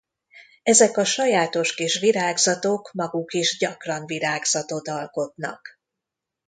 Ezek a sajátos kis virágzatok maguk is gyakran virágzatot alkotnak.